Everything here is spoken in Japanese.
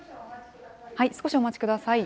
少しお待ちください。